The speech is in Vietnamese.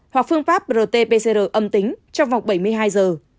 hoặc phương pháp rt pcr âm tính trong vòng bảy mươi hai giờ